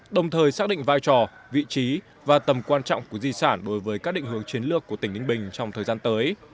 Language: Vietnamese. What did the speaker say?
đồng thời xác định vai trò vị trí và tầm quan trọng của di sản đối với các định hướng chiến lược của tỉnh ninh bình trong thời gian tới